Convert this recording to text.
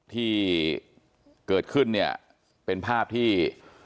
ที่เกิดขึ้นเนี่ยเป็นภาพที่